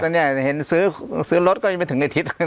ตอนนี้เห็นซื้อรถก็ยังไม่ถึงอาทิตย์